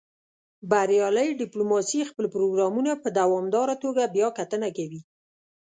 بریالۍ ډیپلوماسي خپل پروګرامونه په دوامداره توګه بیاکتنه کوي